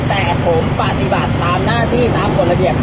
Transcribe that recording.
แต่ผมปฏิบัติตามหน้าที่ตามกฎระเบียบ